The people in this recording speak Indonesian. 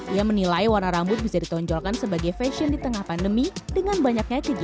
ia menilai warna rambut bisa ditonjolkan sebagai fashion di tengah pandemi dengan banyaknya kegiatan